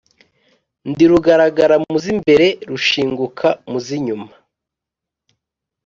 Ndi Rugaragara mu z’imbere, rushinguka mu z’inyuma,